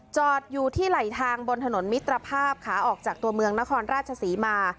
จอดอยู่ที่ไหลทางบนถนนมิตรภาพขาออกจากตัวเมืองนครราชศรีมา